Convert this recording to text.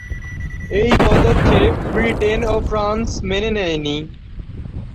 এই পদক্ষেপ ব্রিটেন ও ফ্রান্স মেনে নেয়নি।